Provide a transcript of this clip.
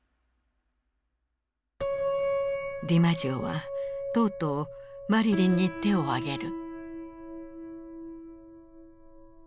ディマジオはとうとうマリリンに手を上げる。